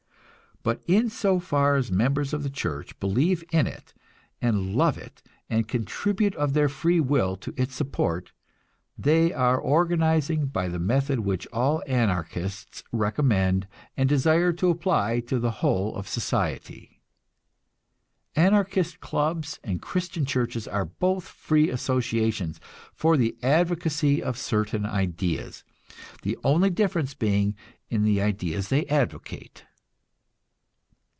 But in so far as members of the church believe in it and love it and contribute of their free will to its support, they are organizing by the method which all Anarchists recommend and desire to apply to the whole of society. Anarchist clubs and Christian churches are both free associations for the advocacy of certain ideas, the only difference being in the ideas they advocate.